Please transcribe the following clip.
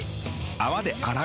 泡で洗う。